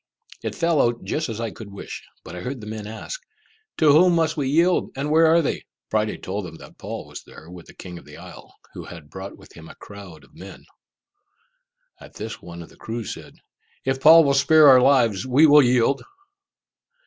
It fell out just as I could wish, for I heard the men ask, "To whom must we yield, and where are they?" Friday told them that Paul was there with the king of the isle, who had brought with him a crowd of men! At this one of the crew said, "If Paul will spare our lives, we will yield."